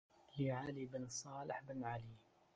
لعلي بن صالح بن علي